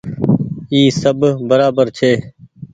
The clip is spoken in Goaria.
اي سب برابر ڇي۔